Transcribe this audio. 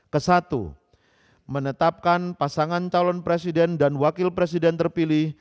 kesatu menetapkan pasangan calon presiden dan wakil presiden terpilih